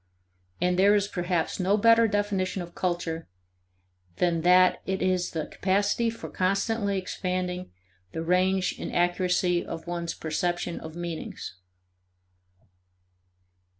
And there is perhaps no better definition of culture than that it is the capacity for constantly expanding the range and accuracy of one's perception of meanings.